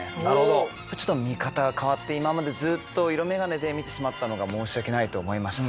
ちょっと見方が変わって今までずっと色眼鏡で見てしまったのが申し訳ないと思いました。